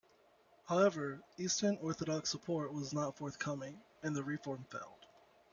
However, Eastern Orthodox support was not forthcoming, and the reform failed.